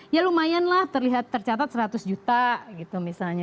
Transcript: ya lumayanlah terlihat tercatat seratus juta gitu misalnya